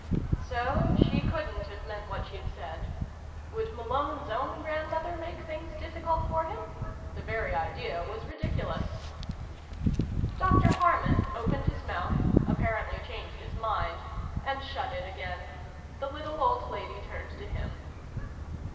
So she couldn't have meant what she'd said. Would Malone's own grandmother make things difficult for him? The very idea was ridiculous. Dr. Harman opened his mouth, apparently changed his mind, and shut it again. The little old lady turned to him.